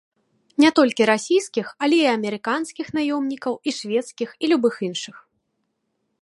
Не толькі расійскіх, але і амерыканскіх наёмнікаў, і шведскіх, і любых іншых.